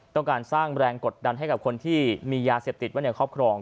ต้องการสร้างแรงกดดันให้กับคนที่มียาเสพติดไว้ในครอบครอง